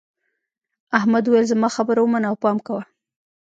احمد وویل زما خبره ومنه او پام کوه.